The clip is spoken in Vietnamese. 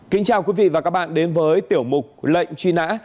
kính chào quý vị và các bạn đến với tiểu mục lệnh truy nã